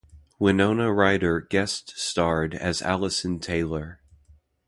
Winona Ryder guest starred as Allison Taylor.